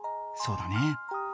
そうだね。